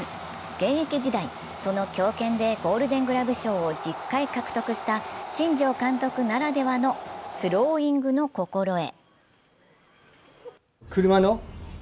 現役時代、その強肩でゴールデン・グラブ賞を１０回獲得した新庄監督ならではのスローイングの心得。